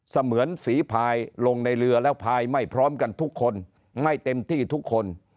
เสมือนฝีพายลงในเรือแล้วพายไม่พร้อมกันทุกคนไม่เต็มที่ทุกคน